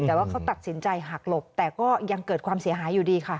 แต่ว่าเขาตัดสินใจหักหลบแต่ก็ยังเกิดความเสียหายอยู่ดีค่ะ